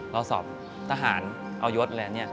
เราสอบทหารเอายศอะไรเนี่ย